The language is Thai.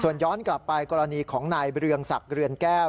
ย้อนกลับไปกรณีของนายเรืองศักดิ์เรือนแก้ว